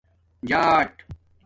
جاٹ